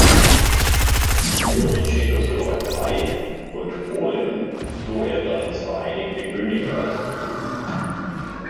Über die Tschechoslowakei und Polen floh er dann ins Vereinigte Königreich.